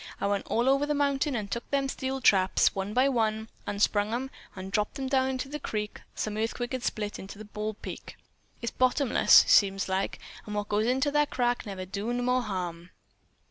"I went all over the mountain an' I took them steel traps, one by one, unsprung 'em and dropped 'em down into that crack some earthquake had split into Bald Peak. It's bottomless, seems like, an' what goes into that crack never does no more harm.